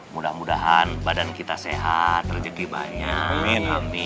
mudah mudahan badan kita sehat rezeki banyak